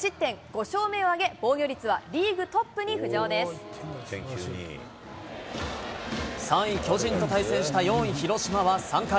５勝目を挙げ、防御率はリーグト３位巨人と対戦した４位広島は３回。